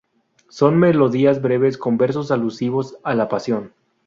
Son melodías breves con versos alusivos a La Pasión.